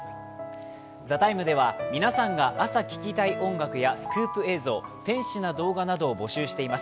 「ＴＨＥＴＩＭＥ，」では皆さんが朝聴きたい音楽やスクープ映像、天使な動画などを募集しています。